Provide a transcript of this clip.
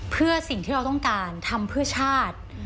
เพื่อสิ่งที่เราต้องการทำเพื่อชาติ